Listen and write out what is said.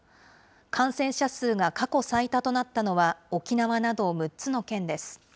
感染者数が過去最多となったのは、沖縄など６つの県です。